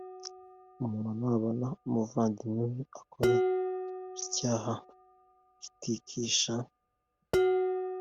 Umuntu nabona umuvandimwe we akora icyaha kiticisha